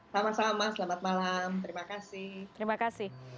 sama sama selamat malam terima kasih